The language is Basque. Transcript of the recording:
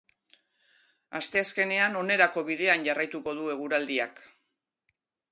Asteazkenean onerako bidean jarraituko du eguraldiak.